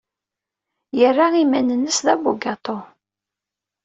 Yerra iman-nnes d abugaṭu.